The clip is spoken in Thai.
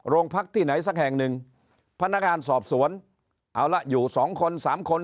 พักที่ไหนสักแห่งหนึ่งพนักงานสอบสวนเอาละอยู่สองคนสามคน